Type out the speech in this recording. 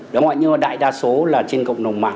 nhưng mà đại đa số là trên cộng đồng mạng